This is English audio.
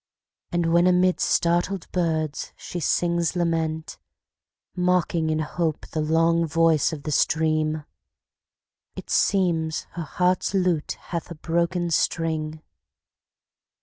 And when amid startled birds she sings lament, Mocking in hope the long voice of the stream, It seems her heart's lute hath a broken string.